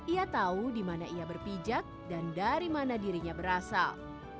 ia tahu di mana ia berpijak dan dari mana dirinya berasal